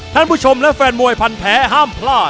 ท่านผู้ชมและแฟนมวยพันแท้ห้ามพลาด